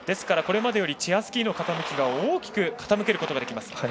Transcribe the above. これまでよりチェアスキーの傾きが大きく傾けることができます。